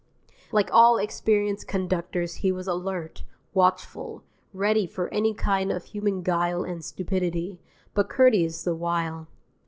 Like all experienced conductors he was alert, watchful, ready for any kind of human guile and stupidity, but courteous the while.